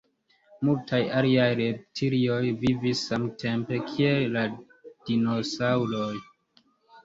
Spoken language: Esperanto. Multaj aliaj reptilioj vivis samtempe kiel la dinosaŭroj.